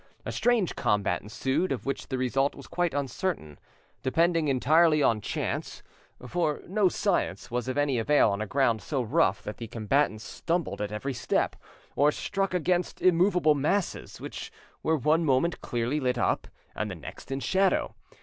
A strange combat ensued, of which the result was quite uncertain, depending entirely on chance; for no science was of any avail on a ground so rough that the combatants stumbled at every step, or struck against immovable masses, which were one moment clearly lit up, and the next in shadow.